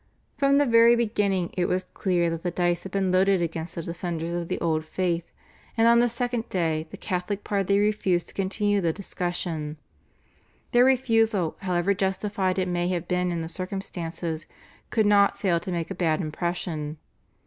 From the very beginning it was clear that the dice had been loaded against the defenders of the old faith, and on the second day the Catholic party refused to continue the discussion. Their refusal, however justified it may have been in the circumstances, could not fail to make a bad impression.